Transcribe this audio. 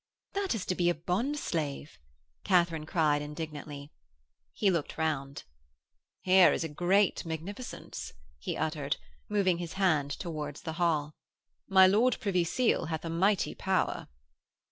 'That is to be a bond slave,' Katharine cried indignantly. He looked round. 'Here is a great magnificence,' he uttered, moving his hand towards the hall. 'My Lord Privy Seal hath a mighty power.'